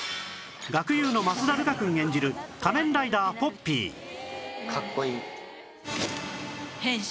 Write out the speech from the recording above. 学友の松田るかくん演じる仮面ライダーポッピー変身！